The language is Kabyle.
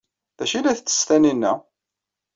D acu ay la tettess Taninna?